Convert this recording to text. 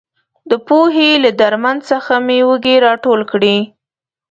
د پوهې له درمن څخه مې وږي راټول کړي.